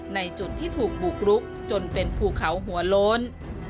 ในจุดที่ถูกบุกรุกจนเป็นภูเขาหัวโล้น